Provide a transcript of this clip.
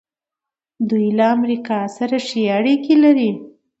دوی له امریکا سره ښې اړیکې لري.